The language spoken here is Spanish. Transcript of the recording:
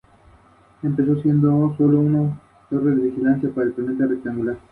Pero su carrera no terminaba de despegar.